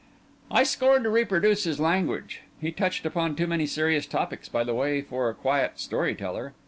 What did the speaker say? I scorn to reproduce his language; he touched upon too many serious topics by the way for a quiet story teller.